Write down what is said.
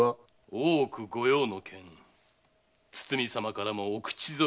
大奥御用の件堤様からもお口添え願いたく。